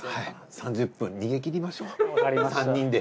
３０分逃げ切りましょう３人で。